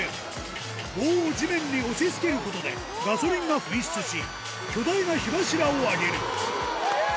棒を地面に押しつけることでガソリンが噴出し、巨大な火柱が上がる。